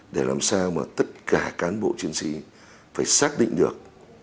để làm sao mà tất cả cán bộ chiến sĩ phải xác định được